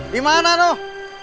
di mana tuh